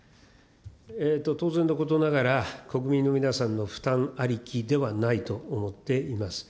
当然のことながら、国民の皆さんの負担ありきではないと思っています。